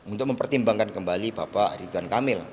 untuk mempertimbangkan kembali bapak ridwan kamil